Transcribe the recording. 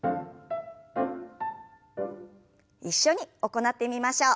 一緒に行ってみましょう。